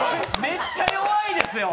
めっちゃ弱いですよ。